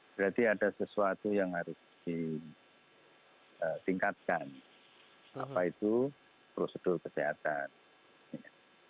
berarti ada sesuatu yang harus ditingkatkan apa itu prosedur kesehatan